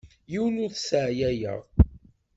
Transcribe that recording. Yiwen ur t-sseɛyayeɣ.